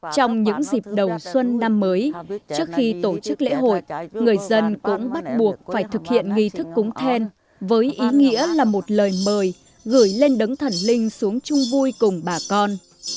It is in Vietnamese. trong những dịp đầu xuân năm mới trước khi tổ chức lễ hội người dân cũng bắt buộc phải thực hiện nghi thức cúng then với ý nghĩa là một lời mời gửi lên đấng thần linh xuống chung vui cùng bà con